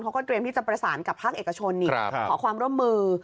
เขาก็เตรียมที่จะประสานกับภาคเอกชนขอความร่วมมือ